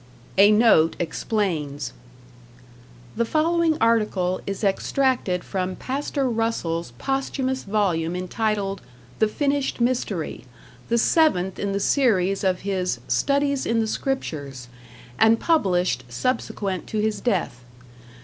A note explains: The following article is extracted from Pastor Russell's posthumous volume entitled "The Finished Mystery," the 7th in the series of his Studies in the Scriptures and published subsequent to his death.